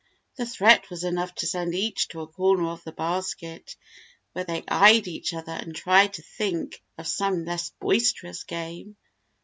The threat was enough to send each to a corner of the basket, where they eyed each other and tried to think up some less boisterous game.